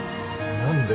何で。